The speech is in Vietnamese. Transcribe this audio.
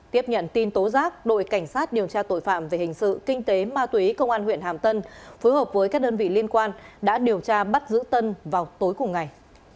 tiếp nhận tin tố giác đội cảnh sát điều tra tội phạm về hình sự kinh tế ma túy công an huyện hàm tân phối hợp với các đơn vị liên quan đã điều tra bắt giữ tân vào tối cùng ngày